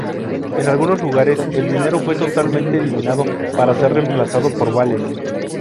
En algunos lugares, el dinero fue totalmente eliminado, para ser reemplazado por vales.